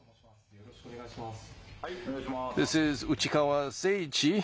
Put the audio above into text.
よろしくお願いします。